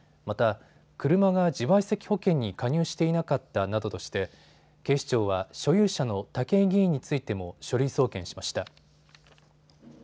また、車が自賠責保険に加入していなかったなどとして警視庁は所有者の武井議員についても書類送検しました。